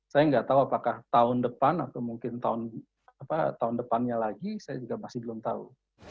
saya nggak tahu apakah tahun depan atau mungkin tahun depannya lagi saya juga masih belum tahu